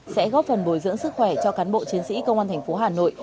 sẽ góp phần bồi dưỡng sức khỏe cho cán bộ chiến sĩ công an thành phố hà nội